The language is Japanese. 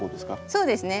そうですね。